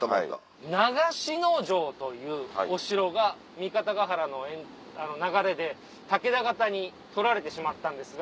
長篠城というお城が三方ヶ原の流れで武田方に取られてしまったんですが。